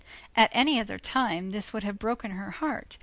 At any other time this would have broken her heart.